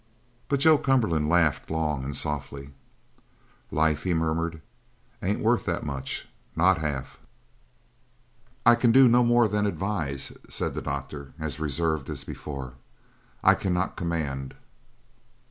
But Joe Cumberland laughed long and softly. "Life," he murmured, "ain't worth that much! Not half!" "I can do no more than advise," said the doctor, as reserved as before. "I cannot command."